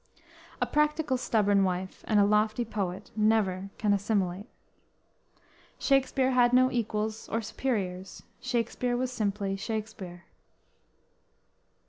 A practical stubborn wife and a lofty poet never can assimilate. Shakspere had no equals or superiors. Shakspere was simply SHAKSPERE.